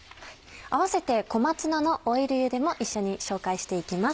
併せて「小松菜のオイルゆで」も紹介していきます。